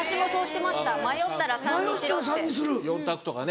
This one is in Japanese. ４択とかね